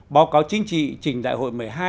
báo cáo chính trị trình đại hội một mươi hai